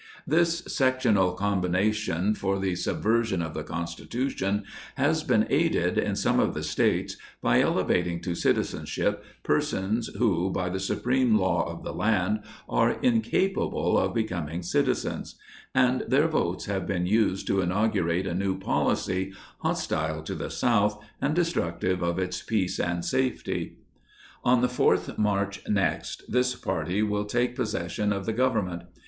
10 This sectional combination for the subversion of the Constitution, has been aided in some of the States by ele vating to citizenship, persons, who, by the Supreme Law of the land, are incapable of becoming citizens; and their votes have been used to inaugurate a new policy, hostile to the South, and destructive of its peace and safety. On the 4th March next, this party will take possession of the Government.